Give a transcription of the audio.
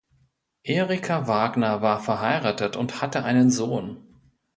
Erika Wagner war verheiratet und hatte einen Sohn.